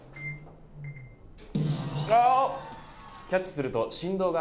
キャッチすると振動が